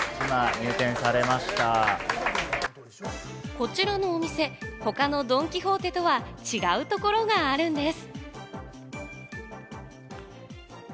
こちらのお店、他のドン・キホーテとは違うところがあるんです。